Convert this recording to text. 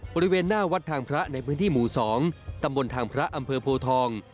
บริเวณหน้าวัดทางพระในพื้นที่หมู่๒ตำบลทางพระอำเภอโพทอง